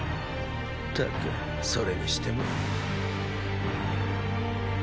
ったくそれにしても。